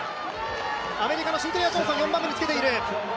アメリカのシンクレア・ジョンソン４番目につけている。